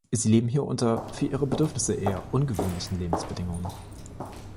Sie leben hier unter für ihre Bedürfnisse eher ungewöhnlichen Lebensbedingungen.